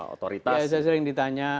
otoritas ya saya sering ditanya